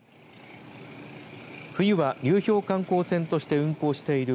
冬は流氷観光船として運航している